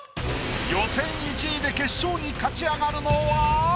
予選１位で決勝に勝ち上がるのは？